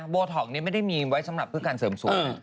โบท็อกนี้ไม่ได้มีไว้สำหรับเพื่อการเสริมสวย